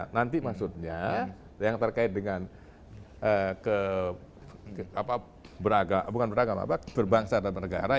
nanti maksudnya yang terkait dengan beragama bukan beragama berbangsa dan negara